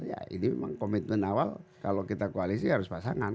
ya ini memang komitmen awal kalau kita koalisi harus pasangan